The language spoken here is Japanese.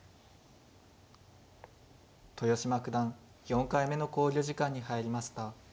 豊島九段４回目の考慮時間に入りました。